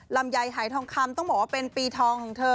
ลำไยหายทองคำต้องบอกว่าเป็นปีทองของเธอ